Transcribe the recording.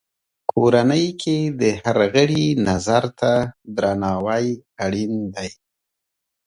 کورنۍ کې د هر غړي نظر ته درناوی اړین دی.